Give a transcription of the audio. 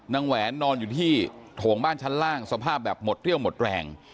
แหวนนอนอยู่ที่โถงบ้านชั้นล่างสภาพแบบหมดเรี่ยวหมดแรง